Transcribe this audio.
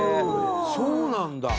そうなんだ。